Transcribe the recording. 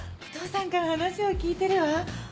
お父さんから話は聞いてるわ！